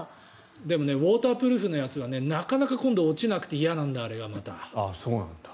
でもウォータープルーフのやつはなかなか落ちなくて嫌なんだ、これがまた。